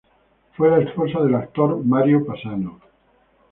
Fue la esposa del actor Mario Passano.